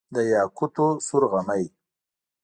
د یاقوتو سور غمی،